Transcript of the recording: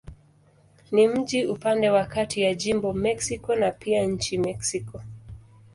Ni mji upande wa kati ya jimbo Mexico na pia nchi Mexiko.